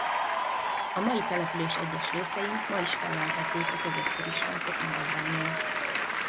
A mai település egyes részein ma is fellelhetők a középkori sáncok maradványai.